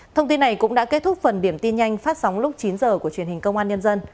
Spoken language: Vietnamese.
thông tin này cũng đã kết thúc phần điểm tin nhanh phát sóng lúc chín h của truyền hình công an nhân dân